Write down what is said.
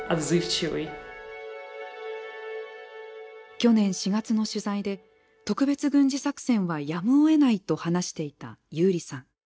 去年４月の取材で特別軍事作戦はやむをえないと話していたユーリさん。